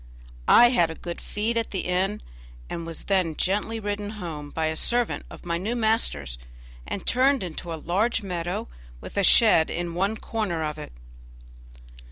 I had a good feed at the inn, and was then gently ridden home by a servant of my new master's, and turned into a large meadow with a shed in one corner of it.